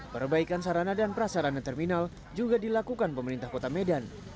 perbaikan sarana dan prasarana terminal juga dilakukan pemerintah kota medan